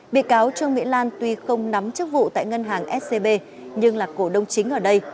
bị cáo trương mỹ lan tuy không nắm chức vụ tại ngân hàng scb nhưng là cổ đông chính ở đây